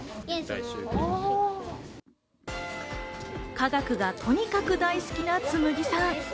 科学がとにかく大好きな紬記さん。